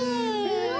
うわ！